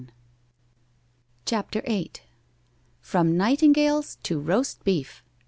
CHAPTER VIII From nightingales to roast beef!